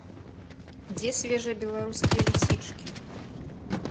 Дзе свежыя беларускія лісічкі?